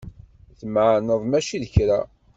Tmeεneḍ mačči d kra.